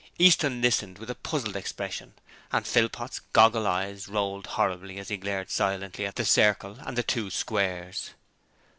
Easton listened with a puzzled expression, and Philpot's goggle eyes rolled horribly as he glared silently at the circle and the two squares.